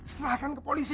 setelahkan ke polisi